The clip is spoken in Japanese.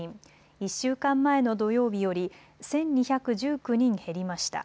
１週間前の土曜日より１２１９人減りました。